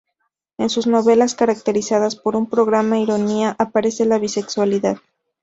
En sus novelas, caracterizadas por una gran ironía, aparece la bisexualidad.